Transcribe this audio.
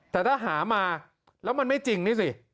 แต่ถ้าหามาแล้วมันไม่จริงนี่สิ